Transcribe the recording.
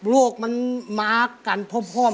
โรคมันมากกันพร่อม